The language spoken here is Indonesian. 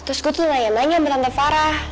terus gue tuh nanya nanya sama tante farah